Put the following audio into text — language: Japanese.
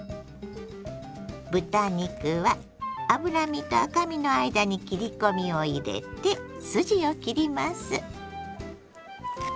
豚肉は脂身と赤身の間に切り込みを入れて筋を切ります。